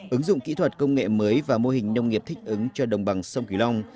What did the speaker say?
ứng dụng kỹ thuật công nghệ mới và mô hình nông nghiệp thích ứng cho đồng bằng sông kiều long